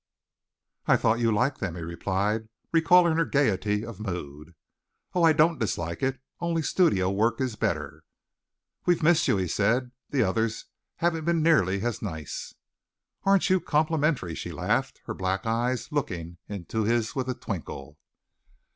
"I thought you liked them!" he replied, recalling her gaiety of mood. "Oh, I don't dislike it. Only, studio work is better." "We've missed you," he said. "The others haven't been nearly as nice." "Aren't you complimentary," she laughed, her black eyes looking into his with a twinkle.